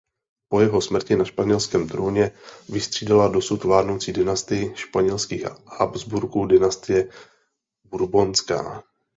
Po jeho smrti na španělském trůně vystřídala dosud vládnoucí dynastii španělských Habsburků dynastie Bourbonská.